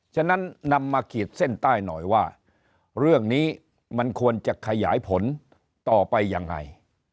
ฉะนั้นนำมาขีดเส้นใต้หน่อยว่าเรื่องนี้มันควรจะขยายผลต่อไปยังไง